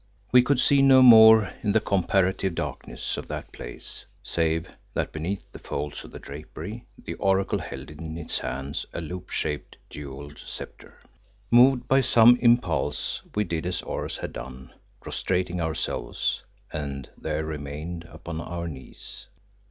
We could see no more in the comparative darkness of that place, save that beneath the folds of the drapery the Oracle held in its hand a loop shaped, jewelled sceptre. Moved by some impulse, we did as Oros had done, prostrating ourselves, and there remained upon our knees.